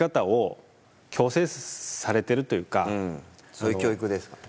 そういう教育ですから。